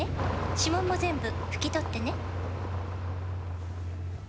指紋も全部拭き取ってね」